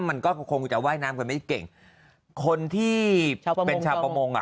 มันก็คงจะว่ายน้ำกันไม่เก่งคนที่เป็นชาวประมงอ่ะ